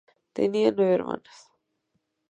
Tenía nueve hermanos.